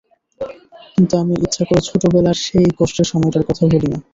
কিন্তু আমি ইচ্ছা করে ছোটবেলার সেই কষ্টের সময়টার কথা ভুলি না।